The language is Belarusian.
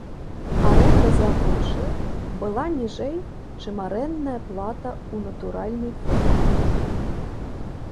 Арэнда за грошы была ніжэй, чым арэндная плата ў натуральнай форме.